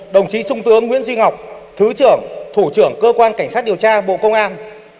đồng chí trung tướng nguyễn duy ngọc thứ trưởng thủ trưởng cơ quan cảnh sát điều tra bộ công an